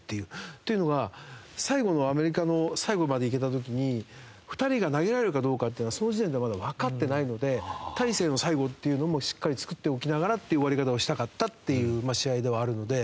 っていうのが最後のアメリカの最後までいけた時に２人が投げられるかどうかっていうのはその時点でまだわかってないので大勢の最後っていうのもしっかり作っておきながらっていう終わり方をしたかったっていう試合ではあるので。